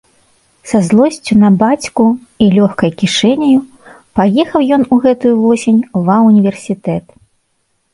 Са злосцю на бацьку і лёгкаю кішэняю паехаў ён у гэтую восень ва універсітэт.